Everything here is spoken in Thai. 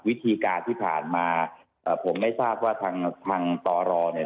วิธีการที่ผ่านมาผมไม่ทราบว่าทางทางตรเนี่ย